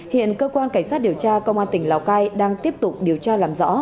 hiện cơ quan cảnh sát điều tra công an tỉnh lào cai đang tiếp tục điều tra làm rõ